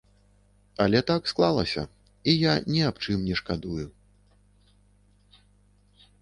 Але так склалася, і я ні аб чым не шкадую.